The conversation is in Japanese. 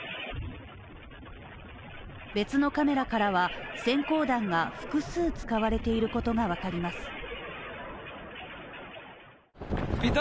別のカメラからは、閃光弾が複数使われていることが分かります。